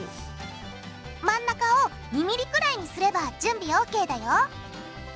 真ん中を２ｍｍくらいにすれば準備ＯＫだよ。